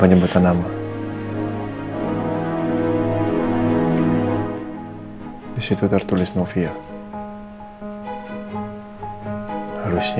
janganlah kita sampaiichi dead up einfach lagi